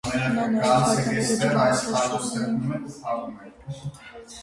Նա նաև հայտնվել է կարճամետրաժ ֆիլմերում։